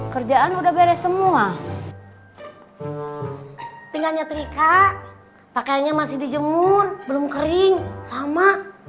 kan pengering mesin cucinya rusak